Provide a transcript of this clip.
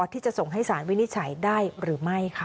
ที่จะส่งให้สารวินิจฉัยได้หรือไม่ค่ะ